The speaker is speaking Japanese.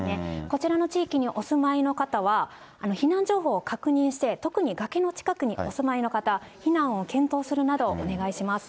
こちらの地域にお住まいの方は、避難情報を確認して、特に崖の近くにお住まいの方、避難を検討するなど、お願いします。